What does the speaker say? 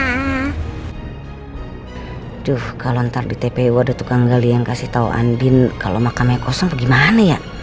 aduh kalau ntar di tpu ada tukang gali yang kasih tahu andin kalau makamnya kosong bagaimana ya